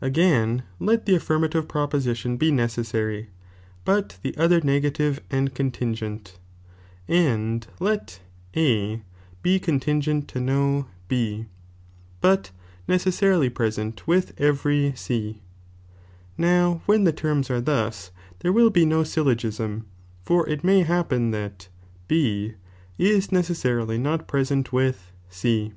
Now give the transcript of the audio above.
Again, B CiMofanB ^^^^^^ afRi'mative proposition be necessary, but cewary afflrm the Other negBtivB and contingent, and let A he contingent to no B, but necessarily present with every C ! now when the terms are thus, there will be no syl logisin, for it may happen that B is necessarily not present with C.